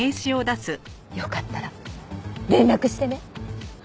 よかったら連絡してね！